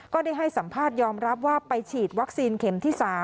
ได้ให้สัมภาษณ์ยอมรับว่าไปฉีดวัคซีนเข็มที่๓